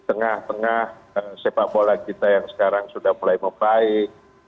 tengah tengah sepak bola kita yang sekarang sudah mulai membaik